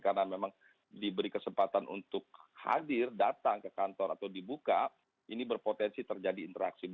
karena memang diberi kesempatan untuk hadir datang ke kantor atau dibuka ini berpotensi terjadi interaksi